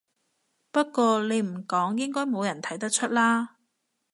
不過你唔講應該冇人睇得出啦